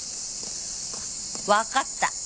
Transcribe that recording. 分かった！